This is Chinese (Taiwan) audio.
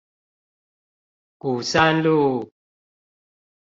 鼓山路